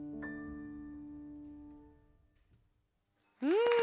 うん。